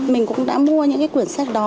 mình cũng đã mua những cuốn sách đó